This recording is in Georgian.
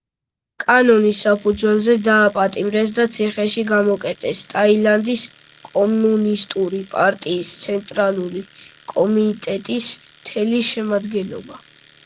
კანონის საფუძველზე დააპატიმრეს და ციხეში გამოკეტეს ტაილანდის კომუნისტური პარტიის ცენტრალური კომიტეტის მთელი შემადგენლობა.